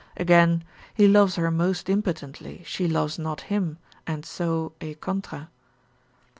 Again: he loves her most impotently, she loves not him, and so e contra.